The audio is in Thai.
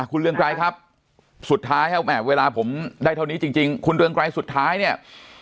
คุณเรืองไกรครับสุดท้ายเวลาผมได้เท่านี้จริงคุณเรืองไกรสุดท้ายเนี่ย